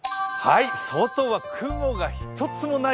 外は雲が一つもない